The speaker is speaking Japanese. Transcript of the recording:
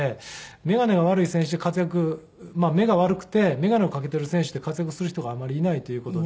眼鏡が悪い選手で活躍目が悪くて眼鏡をかけている選手で活躍する人があまりいないという事で。